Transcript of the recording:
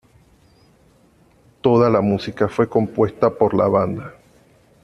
Toda la música fue compuesta por la banda.